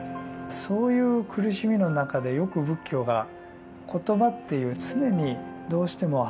そういう苦しみの中でよく仏教が言葉っていう常にどうしても外れちゃうというんですかね